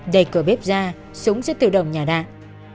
đẩy cửa bếp ra súng sẽ tự động nhả đạn